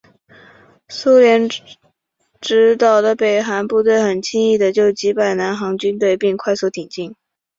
苏联指导的北韩部队很轻易的就击败南韩军队并快速挺进。